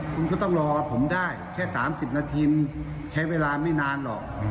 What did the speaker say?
คุณก็ต้องรอผมได้แค่๓๐นาทีใช้เวลาไม่นานหรอก